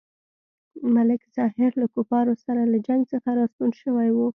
ملک ظاهر له کفارو سره له جنګ څخه راستون شوی وو.